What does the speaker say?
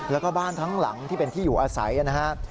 แล้วก็บ้านทั้งหลังที่เป็นที่อยู่อาศัยนะครับ